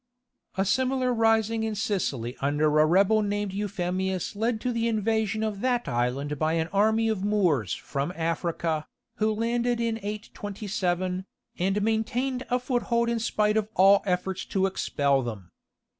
A similar rising in Sicily under a rebel named Euphemius led to the invasion of that island by an army of Moors from Africa, who landed in 827, and maintained a foothold in spite of all efforts to expel them.